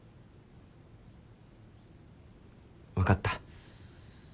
分かった。